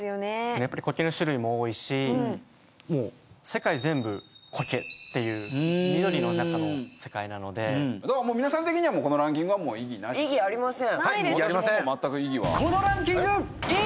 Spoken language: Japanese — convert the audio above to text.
やっぱり苔の種類も多いしもう世界全部苔っていう緑の中の世界なのでだからもう皆さん的にはもうないですはい異議ありません